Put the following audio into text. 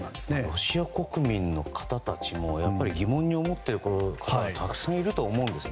ロシア国民の方たちも疑問に思っている方はたくさんいると思います。